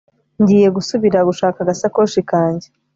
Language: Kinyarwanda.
ngiye gusubira gushaka agasakoshi kanjye